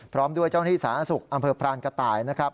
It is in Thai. พร้อมด้วยเจ้าหน้าที่สหสนธสุขอพรานกะต่ายนะครับ